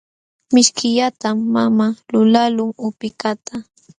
Mishkillatam mamaa lulaqlun upikaqta.